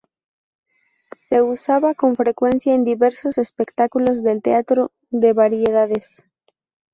Se usaba con frecuencia en diversos espectáculos del teatro de variedades.